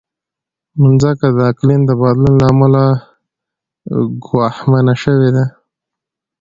مځکه د اقلیم د بدلون له امله ګواښمنه شوې ده.